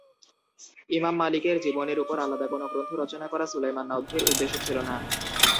ইমাম মালিকের জীবনীর উপর আলাদা কোনো গ্রন্থ রচনা করা সুলাইমান নদভীর উদ্দেশ্য ছিল না।